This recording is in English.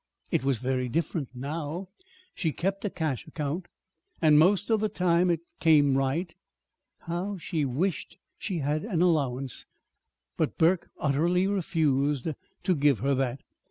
It was very different now. She kept a cash account, and most of the time it came right. How she wished she had an allowance, though! But Burke utterly refused to give her that.